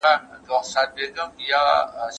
هيڅوک نه غواړي چي په خپل ژوند کي بدبخته سي.